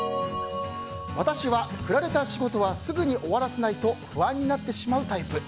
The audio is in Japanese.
私は振られた仕事はすぐに終わらせないと不安になってしまうタイプ。